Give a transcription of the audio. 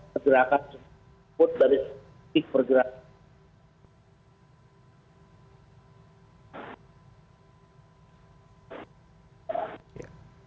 pergerakan seput dari stik pergerakan